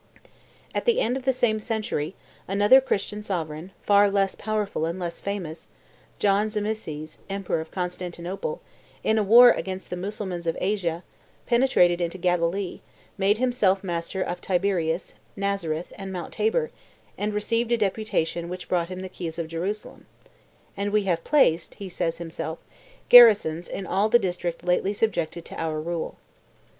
At the end of the same century, another Christian sovereign, far less powerful and less famous, John Zimisces, emperor of Constantinople, in a war against the Mussulmans of Asia, penetrated into Galilee, made himself master of Tiberias, Nazareth, and Mount Tabor, received a deputation which brought him the keys of Jerusalem, "and we have placed," he says himself, "garrisons in all the district lately subjected to our rule."